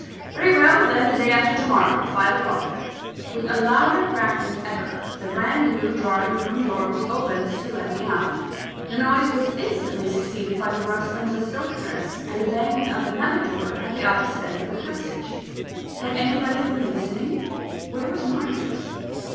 Very well, then, the day after tomorrow, at five o'clock." With a louder crack than ever, the brand new drawing room door was opened to let me out. The noise was instantly succeeded by the rustling of a silk dress, and the banging of another door, at the opposite end of the passage. Had anybody been listening? Where was Margaret?